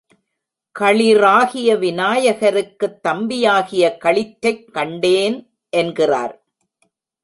களிறாகிய விநாயகருக்குத் தம்பியாகிய களிற்றைக் கண்டேன் என்கிறார்.